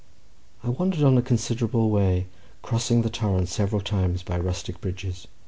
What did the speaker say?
I wandered on a considerable way, crossing the torrent several times by rustic bridges.